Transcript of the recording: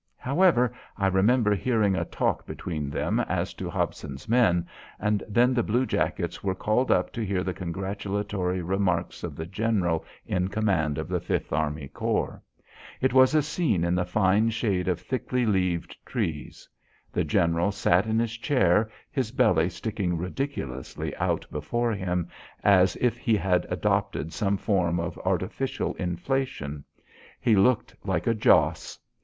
However, I remember hearing a talk between them as to Hobson's men, and then the blue jackets were called up to hear the congratulatory remarks of the general in command of the Fifth Army Corps. It was a scene in the fine shade of thickly leaved trees. The general sat in his chair, his belly sticking ridiculously out before him as if he had adopted some form of artificial inflation. He looked like a joss.